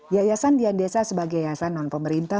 yayasan dian desa sebagai yayasan non pemerintah